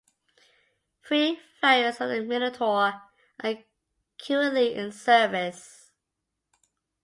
Three variants of the Minotaur are currently in service.